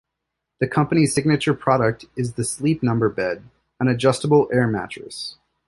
The company's signature product is the Sleep Number bed, an adjustable air mattress.